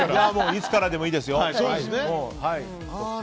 いつからでもいいですよ。